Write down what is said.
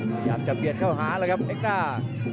พยายามจะเบียดเข้าหาแล้วครับเอ็กด้า